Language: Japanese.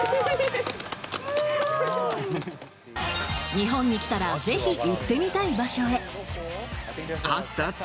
日本に来たらぜひ行ってみたい場所へ。